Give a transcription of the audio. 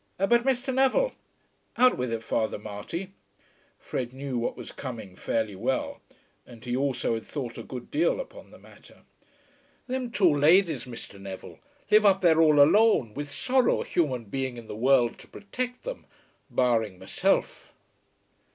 But, Mr. Neville " "Out with it, Father Marty." Fred knew what was coming fairly well, and he also had thought a good deal upon the matter. "Them two ladies, Mr. Neville, live up there all alone, with sorrow a human being in the world to protect them, barring myself."